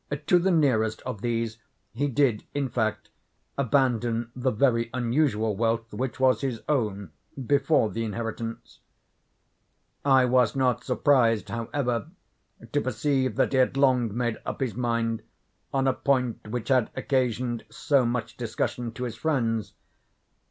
To the nearest of these he did, in fact, abandon the very unusual wealth which was his own before the inheritance. I was not surprised, however, to perceive that he had long made up his mind on a point which had occasioned so much discussion to his friends.